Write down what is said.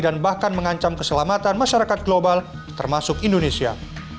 dan bahkan mengancam keselamatan masyarakat global termasuk indonesia